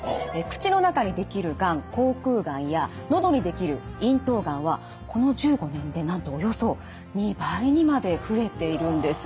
口の中にできるがん口腔がんや喉にできる咽頭がんはこの１５年でなんとおよそ２倍にまで増えているんです。